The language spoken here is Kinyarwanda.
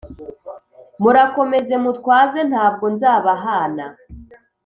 murakomeze mutwaze ntabwo nzabahana